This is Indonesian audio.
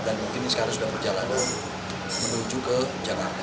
dan mungkin sekarang sudah berjalan menuju ke jakarta